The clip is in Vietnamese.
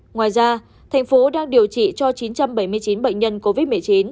ngoài ra thành phố đang điều trị cho chín trăm bảy mươi chín bệnh nhân covid một mươi chín